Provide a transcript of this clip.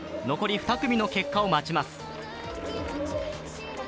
残り２組の結果を待ちます。